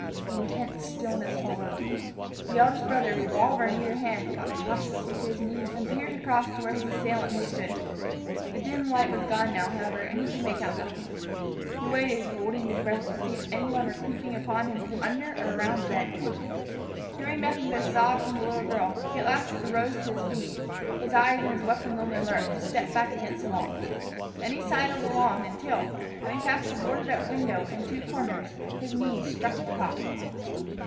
Intense stillness followed. The eldest brother, a revolver in either hand, got cautiously to his knees and peered across to where his assailant had stood. The dim light was gone now, however, and he could make out nothing. He waited, holding his breath, to see if any one were creeping upon him from under or around the bed. Hearing nothing but a sob from the little girl, he at last arose to his feet, his eyes and his weapons on the alert, and stepped back against the wall. Then he sidled along until, having passed the boarded up window and two corners, his knees struck the cot.